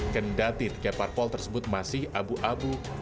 kendati tiga parpol tersebut masih abu abu